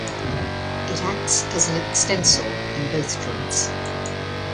It acts as an extensor in both joints.